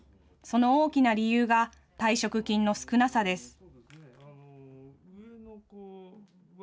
その大きな理由が、退職金の少なさです。